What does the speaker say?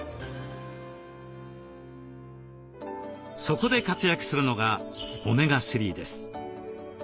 そこで活躍するのがオメガ３です。